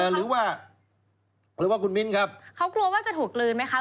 หรือว่าหรือว่าคุณมิ้นครับเขากลัวว่าจะถูกกลืนไหมคะ